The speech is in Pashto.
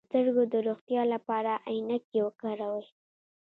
د سترګو د روغتیا لپاره عینکې وکاروئ